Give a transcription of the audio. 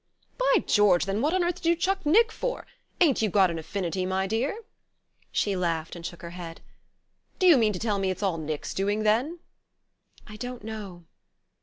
"By George then what on earth did you chuck Nick for? Ain't you got an Affinity, my dear?" She laughed and shook her head. "Do you mean to tell me it's all Nick's doing, then?" "I don't know.